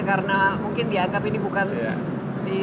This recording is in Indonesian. karena mungkin dianggap ini bukan di tokyo